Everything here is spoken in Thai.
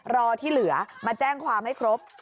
รอที่เหลือมาแจ้งความให้ครบ